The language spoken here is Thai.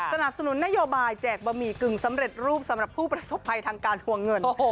สนับสนุนนโยบายแจกบะหมี่กึ่งสำเร็จรูปสำหรับผู้ประสบภัยทางการทวงเงิน